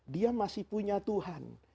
dia masih punya tuhan